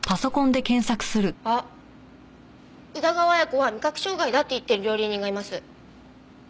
あっ宇田川綾子は味覚障害だって言ってる料理人がいます。